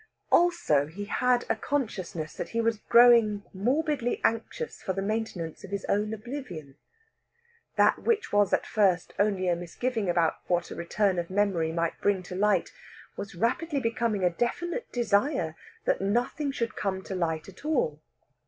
Also, he had a consciousness that he was growing morbidly anxious for the maintenance of his own oblivion. That which was at first only a misgiving about what a return of memory might bring to light, was rapidly becoming a definite desire that nothing should come to light at all.